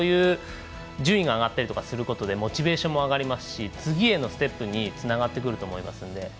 順位が上がったりとかすることでモチベーションもあがりますし次へのステップにつながってくると思いますので。